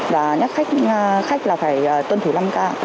và nhắc khách là phải tuân thủ năm k